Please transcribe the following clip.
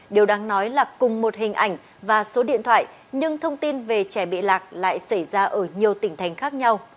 điều đáng nói là cùng một hình ảnh và số điện thoại nhưng thông tin về trẻ bị lạc lại xảy ra ở nhiều tỉnh thành khác nhau